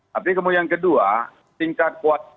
tapi kemudian kedua tingkat kuat